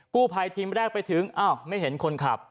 กู้ภัยทีมแรกไปถึงอ้าวไม่เห็นคนขับ